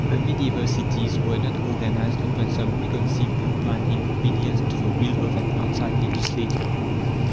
The medieval cities were not organized upon some preconceived plan in obedience to the will of an outside legislator.